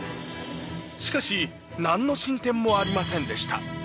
靴なんの進展もありませんでした。